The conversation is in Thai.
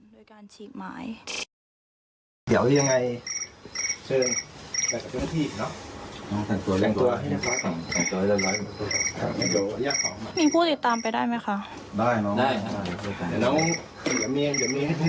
โดยการฉีกหมาย